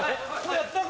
やったか？